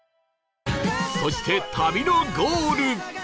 そして旅のゴール